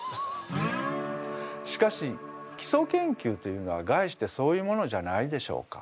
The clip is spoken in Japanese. しかしきそ研究というのはがいしてそういうものじゃないでしょうか。